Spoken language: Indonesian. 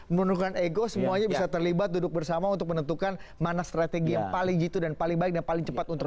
menurutkan ego semuanya bisa terlibat duduk bersama untuk menentukan mana strategi yang paling gitu dan paling baik dan paling cepat untuk